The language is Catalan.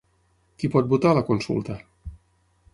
Qui pot votar a la consulta?